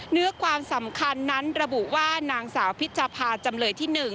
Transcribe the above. เนื้อความสำคัญนั้นระบุว่านางสาวพิชภาจำเลยที่๑